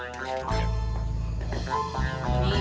jejen mau makan beginian nih